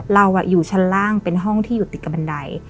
เราอยู่ชั้นล่างเป็นห้องที่อยู่ติดกับบันได